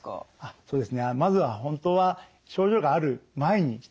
そうですね。